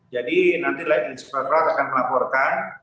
jadi nanti inspektorat akan melaporkan